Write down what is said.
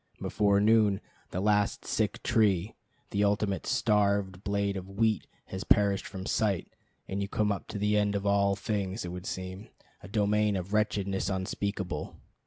Before noon the last sick tree, the ultimate starved blade of wheat, has perished from sight, and you come to the end of all things, it would seem; a domain of wretchedness unspeakable.